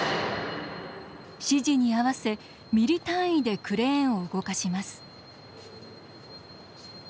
指示に合わせミリ単位でクレーンを動かします。